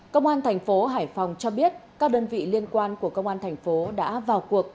công an thành phố hải phòng cho biết các đơn vị liên quan của công an thành phố đã vào cuộc